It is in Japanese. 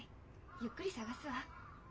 ゆっくり探すわ。